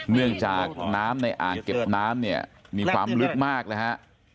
เนื่องจากน้ำในอ่างเก็บน้ำเนี่ยมีความลึกมากนะฮะ